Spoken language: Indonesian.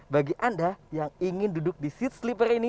bagi anda yang ingin duduk di seat sleeper ini